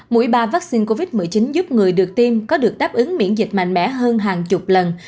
mũi ba vaccine covid một mươi chín giúp người được tiêm có được đáp ứng miễn dịch mạnh mẽ hơn hàng chục lần